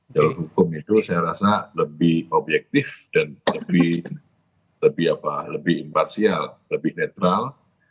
jalur hukum itu saya rasa lebih objektif dan lebih imparsial lebih netral